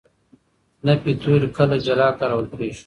نفي توري کله جلا کارول کېږي.